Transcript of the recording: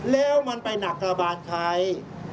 แล้วมันไปหนักระบานใคร